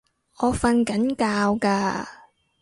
我訓緊覺㗎